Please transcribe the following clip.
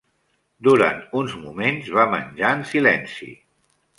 Durant uns moments va menjar en silenci.